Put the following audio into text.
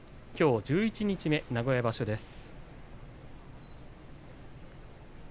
十一日目名古屋場所です。